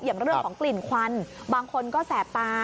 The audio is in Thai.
อย่างเรื่องของกลิ่นควันบางคนก็แสบตา